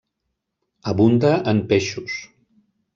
Abunda en peixos.